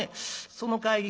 「その帰り